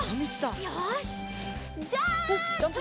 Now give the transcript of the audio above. よしジャンプ！